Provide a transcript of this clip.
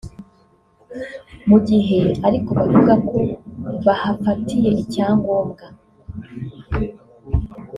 Mu gihe ariko bavuga ko bahafatiye icyangombwa